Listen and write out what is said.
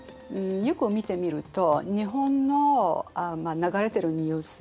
よく見てみると日本の流れてるニュース